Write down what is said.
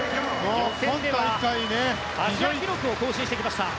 予選ではアジア記録を更新してきました。